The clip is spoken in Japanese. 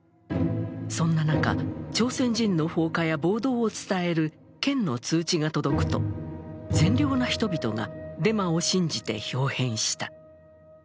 そんな中、朝鮮人の放火や暴動を伝える県の通知が届くと、善良な人々がデマを信じてひょう変した。